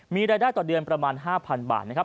มีรายได้ต่อเดือนประมาณ๕๐๐บาทนะครับ